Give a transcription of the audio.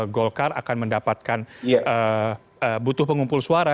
golkar akan mendapatkan butuh pengumpul suara